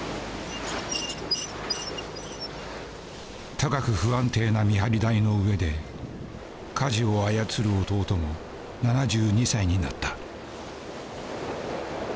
高く不安定な見張り台の上でかじを操る弟も７２歳になった。